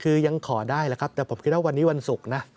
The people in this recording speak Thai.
คือยังขอได้แหละครับแต่ผมคิดว่าวันนี้วันศุกร์นะ